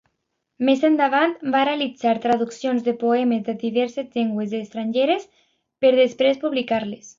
Més endavant va realitzar traduccions de poemes de diverses llengües estrangeres per després publicar-les.